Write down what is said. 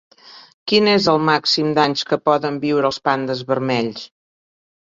Quin és el màxim d'anys que poden viure els pandes vermells?